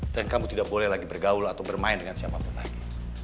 dan kamu tidak boleh lagi bergaul atau bermain dengan siapapun lagi